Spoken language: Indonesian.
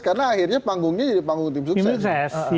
karena akhirnya panggungnya jadi tim sukses